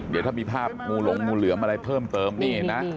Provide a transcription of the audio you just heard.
เดี๋ยวถ้ามีภาพงูหลงงูเหลือมอะไรเพิ่มเติมนี่เห็นไหม